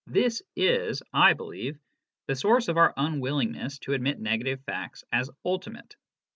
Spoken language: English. This is, I believe, the source of our unwillingness to admit negative facts as ultimate.